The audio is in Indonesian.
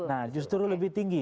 nah justru lebih tinggi